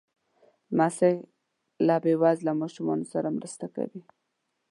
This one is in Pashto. لمسی له بې وزله ماشومانو سره مرسته کوي.